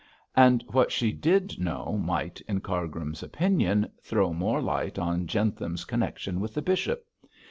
And what she did know might, in Cargrim's opinion, throw more light on Jentham's connection with the bishop.